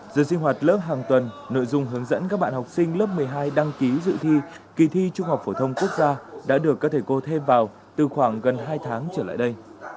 giờ sinh hoạt lớp hàng tuần nội dung hướng dẫn các bạn học sinh lớp một mươi hai đăng ký dự thi kỳ thi trung học phổ thông quốc gia đã được các thầy cô thêm vào từ khoảng gần hai tháng trở lại đây